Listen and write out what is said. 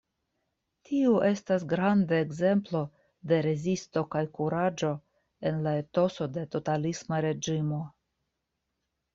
Tiu estas granda ekzemplo de rezisto kaj kuraĝo en la etoso de totalisma reĝimo.